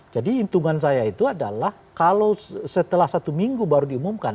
jadi hitungan saya itu adalah kalau setelah satu minggu baru diumumkan